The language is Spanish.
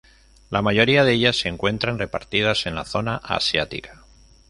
La mayoría de ellas se encuentran repartidas en la zona asiática.